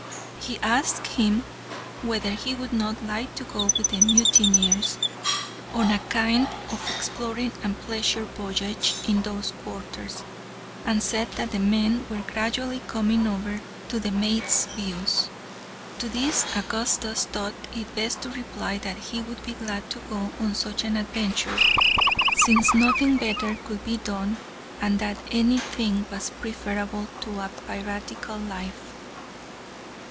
He asked him whether he would not like to go with the mutineers on a kind of exploring and pleasure voyage in those quarters, and said that the men were gradually coming over to the mate's views. To this Augustus thought it best to reply that he would be glad to go on such an adventure, since nothing better could be done, and that any thing was preferable to a piratical life.